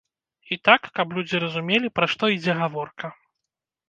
І так, каб людзі разумелі, пра што ідзе гаворка.